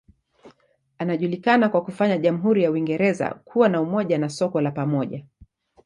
Anajulikana kwa kufanya jamhuri ya Uingereza kuwa na umoja na soko la pamoja.